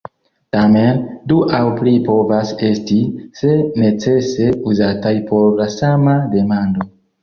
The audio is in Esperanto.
Tamen, du aŭ pli povas esti, se necese, uzataj por la sama demando.